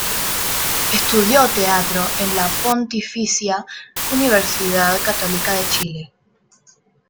Estudió teatro en la Pontificia Universidad Católica de Chile.